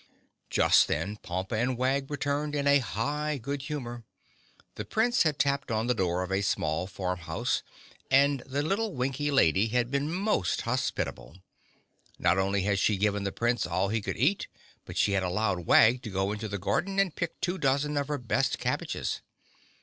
Just then Pompa and Wag returned in a high good humor. The Prince had tapped on the door of a small farm house and the little Winkie lady had been most hospitable. Not only had she given the Prince all he could eat, but she had allowed Wag to go into the garden and pick two dozen of her best cabbages.